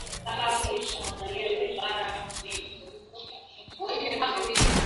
chembechembe zinazoruhusiwa kuingia angani kupitia shughuli